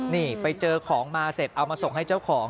นี่ไปเจอของมาเสร็จเอามาส่งให้เจ้าของ